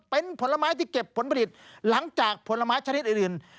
เป็นผลไม้ที่เก็บผลผลิตหลังจากผลไม้ชนิดอื่น